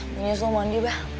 menyusul mandi abah